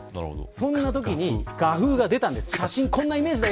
そんなときに画風が出たんです。